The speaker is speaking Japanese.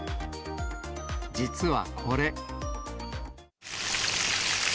実はこれ。